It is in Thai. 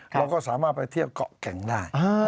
เราก็สามารถไปเที่ยวเกาะแก่งได้